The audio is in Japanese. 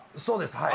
そうです。